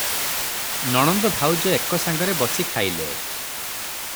ନଣନ୍ଦ ଭାଉଜ ଏକ ସାଙ୍ଗରେ ବସି ଖାଇଲେ ।